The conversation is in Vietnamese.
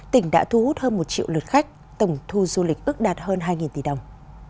tỉnh đã thu hút hơn một triệu lượt khách tổng thu du lịch ước đạt hơn hai tỷ đồng